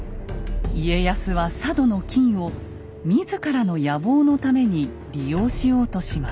家康は佐渡の金を自らの野望のために利用しようとします。